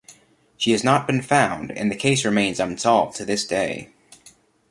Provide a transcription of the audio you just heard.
She has not been found and the case remains unsolved to this day.